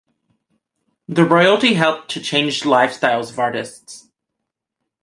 The royalty helped to change lifestyles of artists.